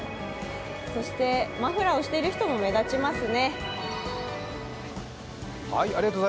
そしてマフラーをしている人も目立ちますね。